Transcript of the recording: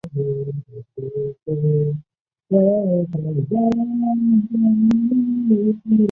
派克维尔是一个位于美国阿拉巴马州杰克逊县的非建制地区。